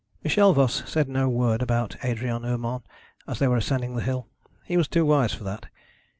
Michel Voss said no word about Adrian Urmand as they were ascending the hill. He was too wise for that.